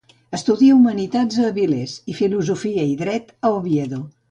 Estudia Humanitats a Avilés i Filosofia i Dret a Oviedo.